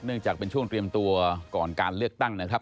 จากเป็นช่วงเตรียมตัวก่อนการเลือกตั้งนะครับ